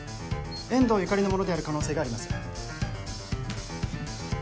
遠藤ユカリのものである可能性があります。